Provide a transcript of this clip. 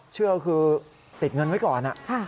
เชื่อคือติดเงินไว้ก่อน